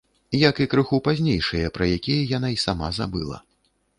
Як і крыху пазнейшыя, пра якія яна і сама забыла.